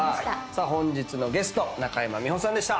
本日のゲスト中山美穂さんでした。